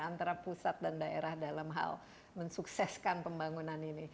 antara pusat dan daerah dalam hal mensukseskan pembangunan ini